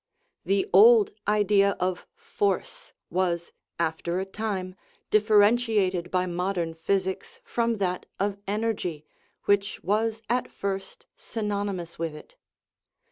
The old idea of force was, after a time, differentiated by modern physics from that of energy, which was at first synonymous with it.